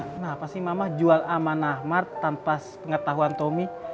kenapa sih mama jual aman ahmad tanpa pengetahuan tommy